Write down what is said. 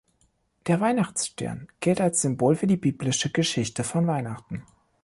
Der Weihnachtsstern gilt als Symbol für die biblische Geschichte von Weihnachten.